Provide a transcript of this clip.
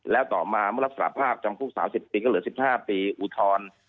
แล้วต่อมารับสารภาพจำคู่สาว๑๐ปีก็เหลือ๑๕ปีอุทธรณ์